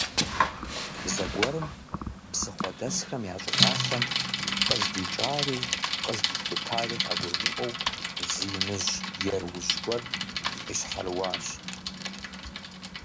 Зэгуэрым псыхъуэдэсхэм я щӀыналъэм, къыздикӀари къыздихутари къагурымыӀуэу, зы иныжь еруужь гуэр къищхьэрыуащ.